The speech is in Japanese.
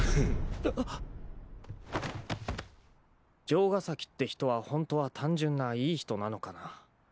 城ヶ崎って人はホントは単純ないい人なのかな。